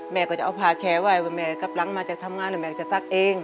แม่ก็จะเอาผ้าแชร์ไว้ว่าแม่กลับหลังมาจากทำงานแล้วแม่จะซักเอง